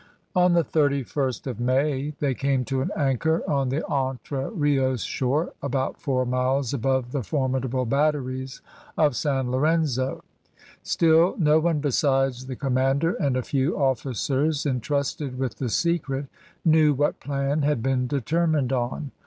On the 31st of May they came to an anchor on the Entre Rios shore, about four miles above the formidable batteries of San Lorenzo. Still, no one besides the commander and a few officers entrusted with the secret knew what plan had been determined on.